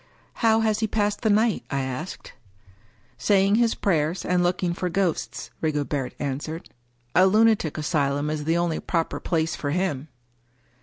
" How has he passed the night ?" I asked 261 English Mystery Stories " Saying his prayers, and looking for ghosts," Rigobert answered. " A lunatic asylum is the only proper place for him."